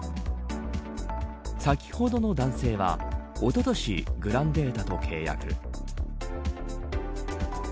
先ほどの男性はおととし、グランデータと契約。